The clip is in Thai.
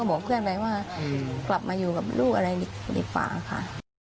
ของผมเคลียร์แบบกว่าคุณมาอยู่แต่ลูกเลยดีกว่าค่ะ